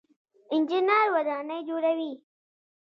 انجنیر ودانۍ جوړوي.